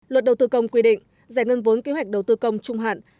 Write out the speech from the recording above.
luật đầu tư công quy định giải ngân vốn kế hoạch đầu tư công trung hạn